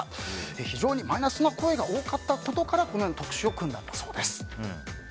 非常にマイナスな声が多かったことから特集を組んだそうです。